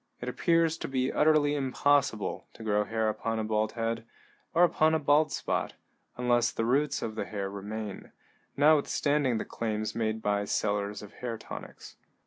It appears to be utterly impossible to grow hair upon a bald head, or upon a bald spot, unless the roots of the hair remain, notwithstanding the claims made by sellers of hair tonics.